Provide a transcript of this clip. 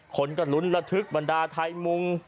คนก็ลุ้นระทึกบรรดาไทยมุง